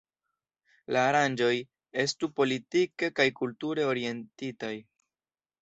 La aranĝoj estu politike kaj kulture orientitaj.